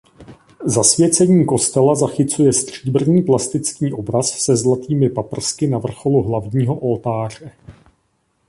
Zasvěcení kostela zachycuje stříbrný plastický obraz se zlatými paprsky na vrcholu hlavního oltáře.